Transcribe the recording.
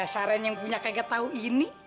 dasarannya yang punya kaget tau ini